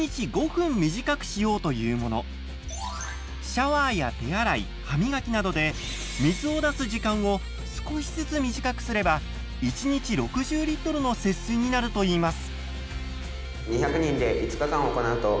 シャワーや手洗い歯磨きなどで水を出す時間を少しずつ短くすれば１日６０リットルの節水になるといいます。